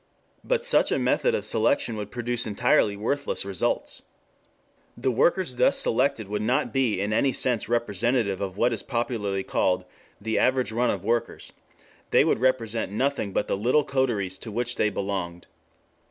But such a method of selection would produce entirely worthless results. The workers thus selected would not be in any sense representative of what is popularly called 'the average run of workers;' they would represent nothing but the little coteries to which they belonged.